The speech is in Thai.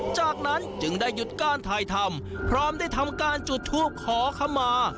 จากนั้นจึงได้หยุดการถ่ายทำพร้อมได้ทำการจุดทูปขอขมา